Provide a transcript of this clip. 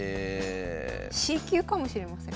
Ｃ級かもしれません。